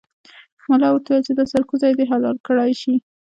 ملا ورته وویل چې دا سرکوزی دې حلال کړای شي.